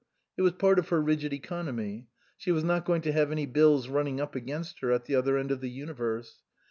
It was part of her rigid economy. She was not going to have any bills running up against her at the other end of the universe.